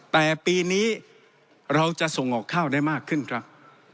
แต่ปีนี้เราจะส่งออกข้าวได้มากขึ้นครับ